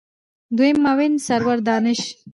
دویم معاون سرور دانش